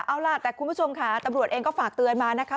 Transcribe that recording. เอาล่ะแต่คุณผู้ชมค่ะตำรวจเองก็ฝากเตือนมานะคะ